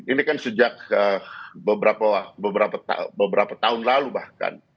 ini kan sejak beberapa tahun lalu bahkan